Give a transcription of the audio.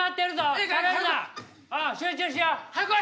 はよ来い！